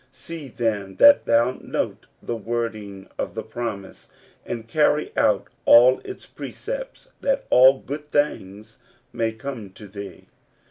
See then that thou note the wording of the promise, and carry out all its precepts, that all good things may come to thee.